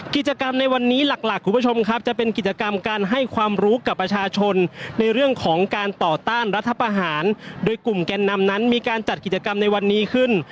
กิจกรรมในวันนี้หลักคุณผู้ชมครับจะเป็นกิจกรรมการให้ความรู้กับประชาชนในเรื่องของการต่อต้านรัฐประหารโดยกลุ่มแก่นนำนั้นมีการจัดกิจกรรมในวันนี้ขึ้น